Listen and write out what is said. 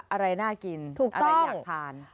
อะไรน่ากินถูกอะไรอยากทาน